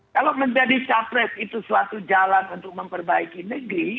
kalau menjadi capres itu suatu jalan untuk memperbaiki negeri